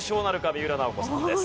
三浦奈保子さんです。